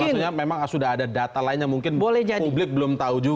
jadi maksudnya memang sudah ada data lain yang mungkin publik belum tahu juga